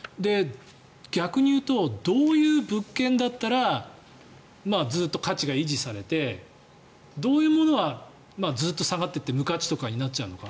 逆に言うとどういう物件だったらずっと価値が維持されてどういうものはずっと下がっていって無価値とかになっちゃうのか。